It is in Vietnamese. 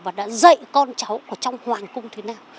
và đã dạy con cháu ở trong hoàng cung thế nào